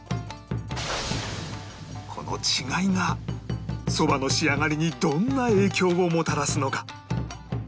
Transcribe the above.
この違いがそばの仕上がりにどんな影響をもたらすのか？